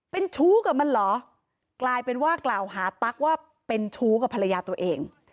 เป็นชู้กับมันเหรอกลายเป็นว่ากล่าวหาตั๊กว่าเป็นชู้กับภรรยาตัวเอง